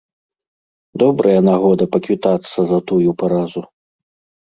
Добрая нагода паквітацца за тую паразу.